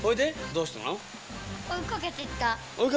どうしたの？